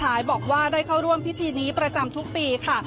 บอกว่าได้เข้าร่วมพิธีนี้ประจำทุกปีค่ะ